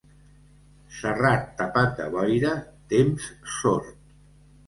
Serrat tapat de boira, temps sord.